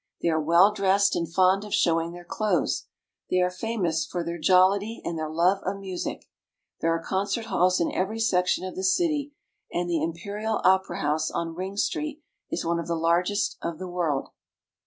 They are well dressed and fond of showing their clothes. They are famous for their jollity and their love of music. There are concert halls in every section of the city, and the Im perial Opera House on Ring Street is one of the largest of the world.